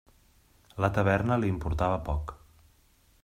La taverna li importava poc.